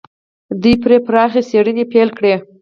دوی پرې پراخې څېړنې پيل کړې.